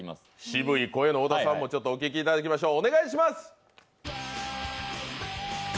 渋い声の小田さんもお聞きいただきましょう。